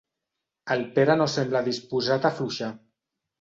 El Pere no sembla disposat a afluixar.